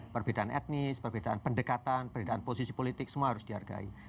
perbedaan etnis perbedaan pendekatan perbedaan posisi politik semua harus dihargai